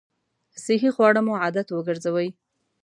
صحي خواړه مو عادت وګرځوئ!